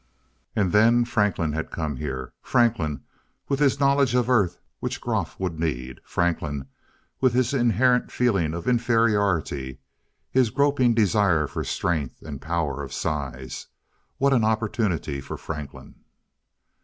And then Franklin had come here. Franklin, with his knowledge of Earth which Groff would need. Franklin, with his inherent feeling of inferiority his groping desire for the strength and power of size. What an opportunity for Franklin!